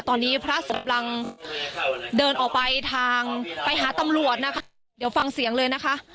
ตอนนี้พระสมปรังเดินออกไปทางไปหาตำรวจนะคะเดี๋ยวฟังเสียงเลยนะคะ